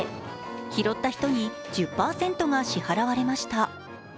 拾った人に１０％が支払われました。